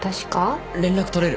連絡取れる？